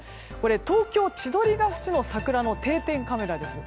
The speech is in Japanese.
東京・千鳥ケ淵の桜の定点カメラです。